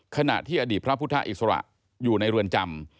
ขณะที่อดีตพระพุทธอิสระอยู่ในเรือนจำ